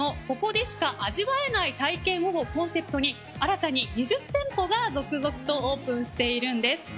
ここでしか味わえない体験をコンセプトに新たに２０店舗が続々とオープンしているんです。